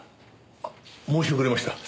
あっ申し遅れました。